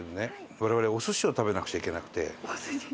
我々お寿司を食べなくちゃいけなくて。